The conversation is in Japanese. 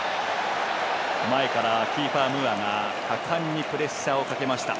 前からキーファー・ムーアが果敢にプレッシャーをかけました。